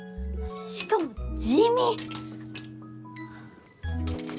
しかも地味！